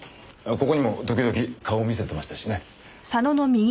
ここにも時々顔を見せてましたしね。